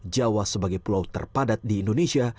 jawa sebagai pulau terpadat di indonesia